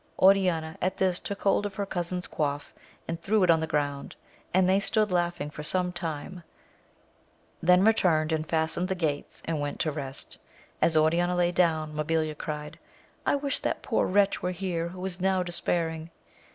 Oriana at this took hold of her cousin's coif and threw it on the ground, and they stood laugh ing for some time, then returned and fastened the gates, and went to rest. As Oriana lay down, Mabilia cried, I wish that poor wretch were here who is now despairing